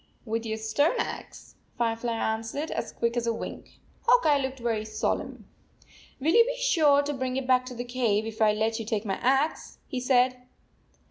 " With your stone axe," Firefly answered as quick as a wink. Hawk Eye looked very solemn. "Will you be sure to bring it back to the cave, if I let you take my axe?" he said.